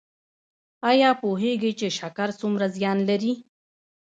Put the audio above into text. ایا پوهیږئ چې شکر څومره زیان لري؟